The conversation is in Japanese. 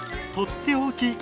「とっておき！